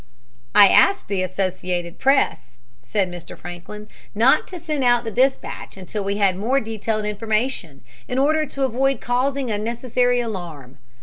"I asked the Associated Press," said Mr. Franklin, "not to send out the dispatch until we had more detailed information, in order to avoid causing unnecessary alarm.